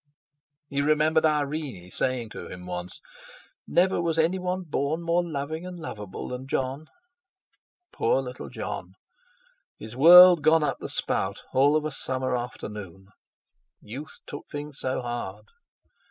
He remembered Irene saying to him once: "Never was any one born more loving and lovable than Jon." Poor little Jon! His world gone up the spout, all of a summer afternoon! Youth took things so hard!